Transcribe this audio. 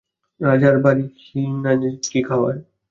রাজার বাড়ি, কি না জানি খাওয়ায়?